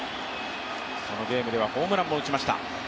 そのゲームではホームランも打ちました。